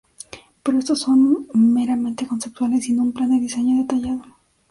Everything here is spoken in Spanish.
Pero estos son meramente conceptuales y no un plan de diseño detallado.